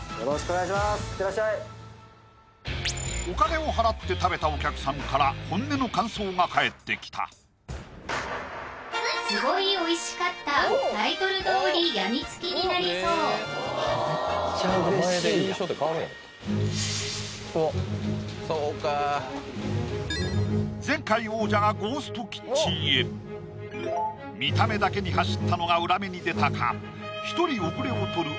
お金を払って食べたお客さんから本音の感想が返ってきた前回王者がゴーストキッチンへ見た目だけに走ったのが裏目に出たか一人後れを取る